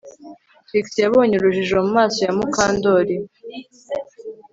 Trix yabonye urujijo mu maso ya Mukandoli